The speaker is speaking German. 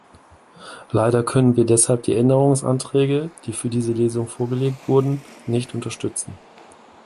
Leider können wir deshalb die Änderungsanträge, die für diese Lesung vorgelegt wurden, nicht unterstützen.